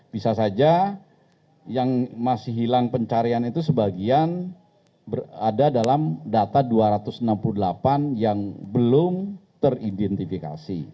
bisa saja yang masih hilang pencarian itu sebagian berada dalam data dua ratus enam puluh delapan yang belum teridentifikasi